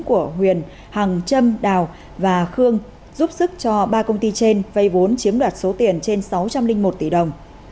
của huyền hằng trâm đào và khương giúp sức cho ba công ty trên vay vốn chiếm đoạt số tiền trên sáu trăm linh một tỷ đồng